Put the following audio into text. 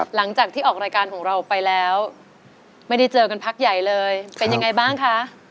หลังจากที่ออกรายการของเราไปแล้วไม่ได้เจอกันพักใหญ่เลยเป็นยังไงบ้างคะ